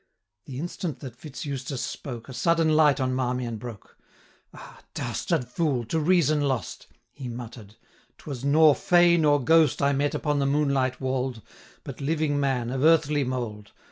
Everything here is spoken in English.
The instant that Fitz Eustace spoke, A sudden light on Marmion broke; 515 'Ah! dastard fool, to reason lost!' He mutter'd; 'Twas nor fay nor ghost I met upon the moonlight wold, But living man of earthly mould.